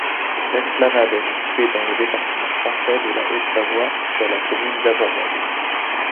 L'esplanade est située dans le département français de la Haute-Savoie, sur la commune d'Abondance.